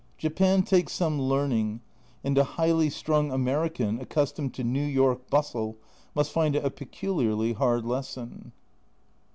Japan takes some learning, and a highly strung American accustomed to New York bustle must find it a peculiarly hard lesson.